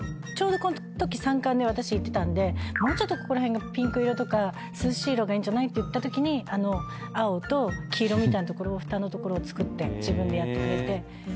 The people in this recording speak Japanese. ちょうどこのとき参観で私行ってたんでもうちょっとここら辺がピンク色とか涼しい色がいいんじゃないって言ったときあの青と黄色みたいな所をふたの所を作って自分でやってくれて。